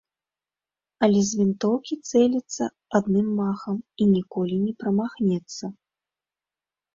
Але з вінтоўкі цэліцца адным махам і ніколі не прамахнецца.